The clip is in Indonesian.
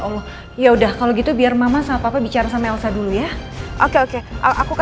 om dengan tim akan mencoba memadamkan